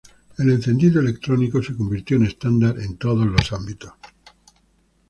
El encendido electrónico se convirtió en estándar en todos los ámbitos.